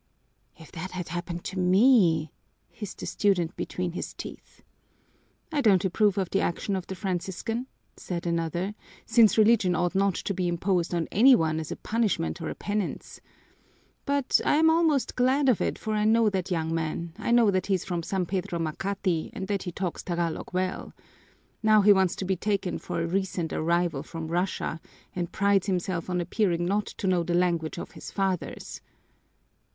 "If that had happened to me " hissed a student between his teeth. "I don't approve of the action of the Franciscan," said another, "since Religion ought not to be imposed on any one as a punishment or a penance. But I am almost glad of it, for I know that young man, I know that he's from San Pedro Makati and that he talks Tagalog well. Now he wants to be taken for a recent arrival from Russia and prides himself on appearing not to know the language of his fathers."